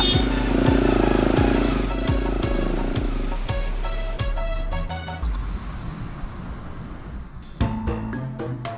kata akang belum ada rencana